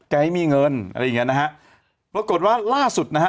แกไม่มีเงินพวกกดว่าล่าสุดนะฮะ